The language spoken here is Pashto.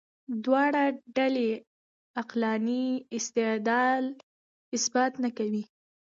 دواړه ډلې عقلاني استدلال اثبات نه کوي.